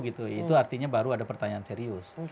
itu artinya baru ada pertanyaan serius